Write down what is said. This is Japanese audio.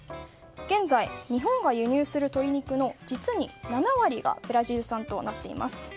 現在、日本が輸入する鶏肉の実に７割がブラジル産となっています。